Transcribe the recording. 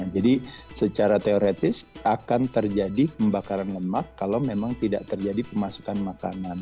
jadi secara teoretis akan terjadi pembakaran lemak kalau memang tidak terjadi pemasukan makanan